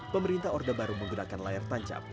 pemerintah orde baru menggunakan layar tancap